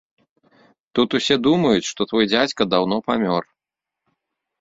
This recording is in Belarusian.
Тут усе думаюць, што твой дзядзька даўно памёр.